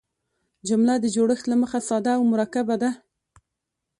جمله د جوړښت له مخه ساده او مرکبه ده.